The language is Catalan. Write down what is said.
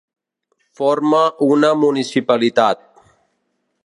Forma una municipalitat.